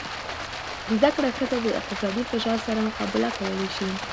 زده کړه ښځه د اقتصادي فشار سره مقابله کولی شي.